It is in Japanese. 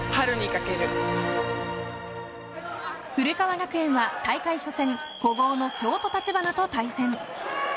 古川学園は大会初戦古豪の京都、橘と対戦。